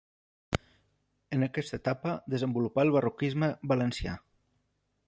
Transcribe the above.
En aquesta etapa desenvolupà el barroquisme valencià.